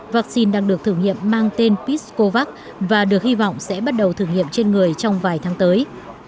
vaccine đang được thử nghiệm mang tên piscovac và được hy vọng sẽ bắt đầu thử nghiệm trên người trong vài tháng tới